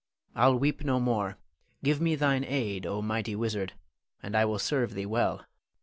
I'll weep no more. Give me thine aid, O mighty wizard, and I will serve thee well.